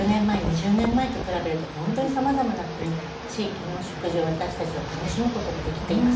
１０年前、２０年前と比べるとたくさんの国地域の食事を私たちは楽しむことができています。